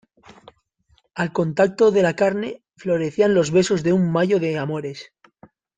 al contacto de la carne, florecían los besos en un mayo de amores.